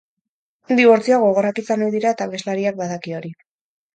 Dibortzioak gogorrak izan ohi dira eta abeslariak badaki hori.